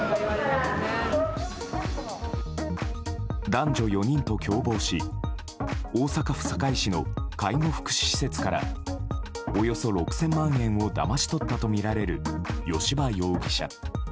男女４人と共謀し大阪府堺市の介護福祉施設からおよそ６０００万円をだまし取ったとみられる吉羽容疑者。